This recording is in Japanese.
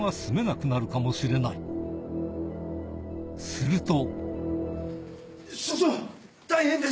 すると。